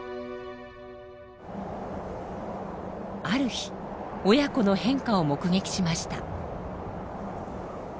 ある日親子の変化を目撃しました。